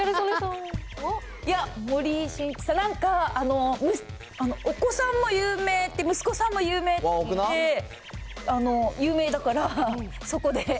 なんか、お子さんも有名って、息子さんも有名って、有名だから、そこで。